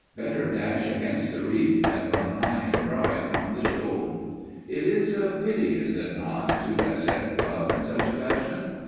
Better dash against the reef than run high and dry upon the shoal! It is a pity, is it not, to dissect love in such a fashion?